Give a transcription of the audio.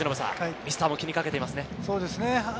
ミスターも気にかけてますね。